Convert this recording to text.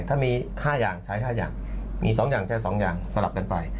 ถ้ามี๕อย่างใช้๕อย่างมี๒อย่างใช้๒อย่างสลับกันไป